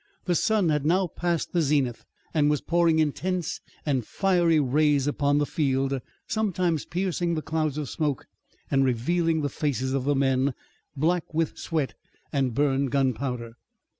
The sun had now passed the zenith and was pouring intense and fiery rays upon the field, sometimes piercing the clouds of smoke, and revealing the faces of the men, black with sweat and burned gunpowder.